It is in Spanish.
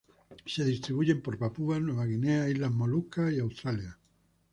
Se distribuyen por Papúa Nueva Guinea, Islas Molucas y Australia.